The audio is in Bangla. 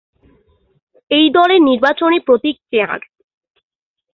এই দলের নির্বাচনী প্রতীক চেয়ার।